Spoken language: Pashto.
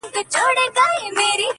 د حوصلې راته غوښتنه كوي~